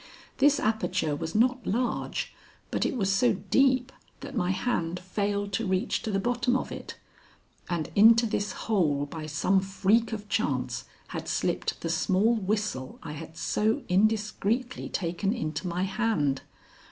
This aperture was not large, but it was so deep that my hand failed to reach to the bottom of it; and into this hole by some freak of chance had slipped the small whistle I had so indiscreetly taken into my hand.